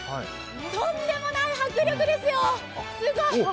とんでもない迫力ですよ、すごい。